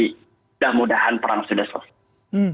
mudah mudahan perang sudah selesai